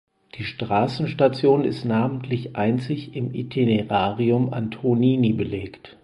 Die Straßenstation ist namentlich einzig im Itinerarium Antonini belegt.